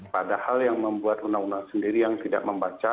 padahal yang membuat undang undang sendiri yang tidak membaca